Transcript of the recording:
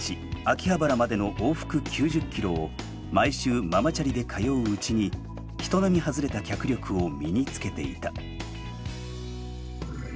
秋葉原までの往復９０ｋｍを毎週ママチャリで通ううちに人並み外れた脚力を身につけていた。